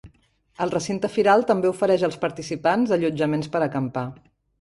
El recinte firal també ofereix als participants allotjaments per acampar.